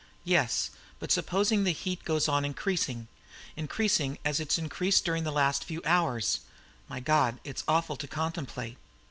"Yes, but supposing the heat goes on increasing, increasing as it's increased during the last few hours? My God, it's awful to contemplate!"